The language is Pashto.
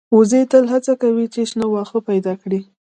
وزې تل هڅه کوي چې شنه واښه پیدا کړي